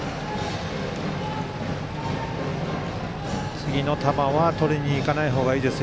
次の球はとりにいかないほうがいいです。